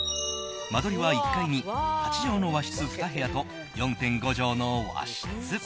間取りは、１階に８畳の和室２部屋と４．５畳の和室。